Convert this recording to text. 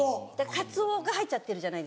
カツオが入っちゃってるじゃないですか。